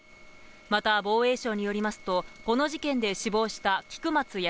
また、防衛省によりますと、この事件で死亡した、菊松安